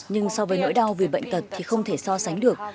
nhưng so với nỗi đau vì bệnh tật thì không thể so sánh được